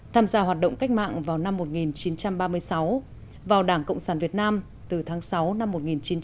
tham gia hoạt động cách mạng vào năm một nghìn chín trăm ba mươi sáu vào đảng cộng sản việt nam từ tháng sáu năm một nghìn chín trăm bốn mươi năm